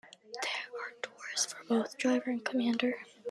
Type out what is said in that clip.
There are doors for both driver and commander.